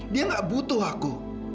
dia nggak butuh aku